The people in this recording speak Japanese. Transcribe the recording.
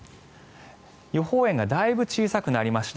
予報円がだいぶ小さくなりました。